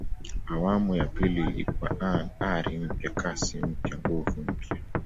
awamu ya pili ilikuwa ari mpya kasi mpya nguvu mpya